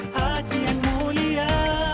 hati yang mulia